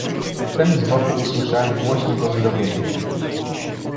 "Wtem z boku usłyszałem głośne pozdrowienie."